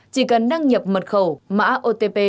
chỉ cần đăng nhập mật khẩu mã otp